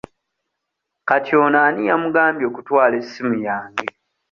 Kati ono ani yamugambye okutwala essimu yange.